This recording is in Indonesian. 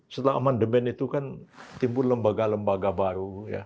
setelah amendement itu kan timbul lembaga lembaga baru